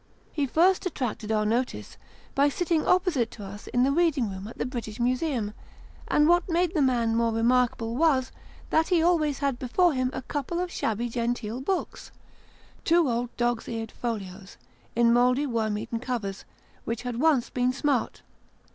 He first attracted our notice, by sitting opposite to us in the reading room at the British Museum ; and what made the man more remarkable was, that he always had before him a couple of shabby genteel books two old dog's eared folios, in mouldy worm eaten covers, which had once been smart.